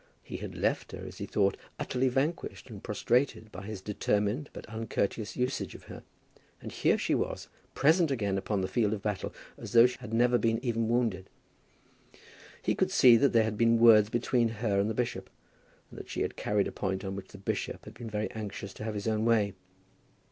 He had left her, as he thought, utterly vanquished and prostrated by his determined but uncourteous usage of her; and here she was, present again upon the field of battle as though she had never been even wounded. He could see that there had been words between her and the bishop, and that she had carried a point on which the bishop had been very anxious to have his own way.